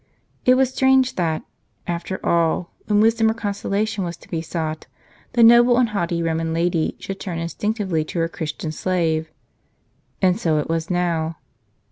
It was strange that, after all, when wisdom or consolation was to be sought, the noble and haughty Eoman lady should turn instinctively to her Christian slave. And so it was now.